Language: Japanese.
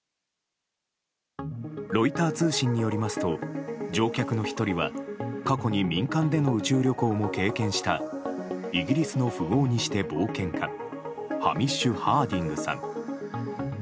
ロイター通信によりますと乗客の１人は過去に民間での宇宙旅行も経験したイギリスの富豪にして冒険家ハミッシュ・ハーディングさん。